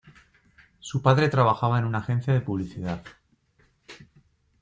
Su padre trabajaba en una agencia de publicidad.